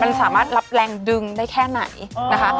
ได้เลยว่ามันสามารถรับแรงดึงได้แค่ไหนนะคะ